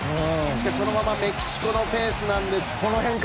そのままメキシコのペースなんです。